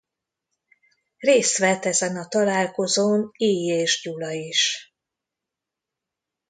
Részt vett ezen a találkozón Illyés Gyula is.